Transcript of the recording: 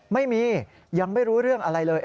ไม่มียังไม่รู้เรื่องอะไรเลย